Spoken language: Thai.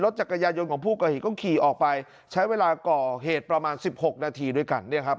จักรยายนต์ของผู้ก่อเหตุก็ขี่ออกไปใช้เวลาก่อเหตุประมาณสิบหกนาทีด้วยกันเนี่ยครับ